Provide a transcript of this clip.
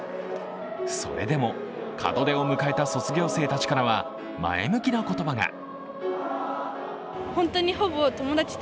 それでも門出を迎えた卒業生たちからは前向きな言葉が。